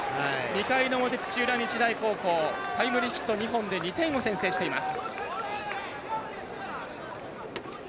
２回の表、土浦日大高校タイムリーヒット２本で２点を先制しています。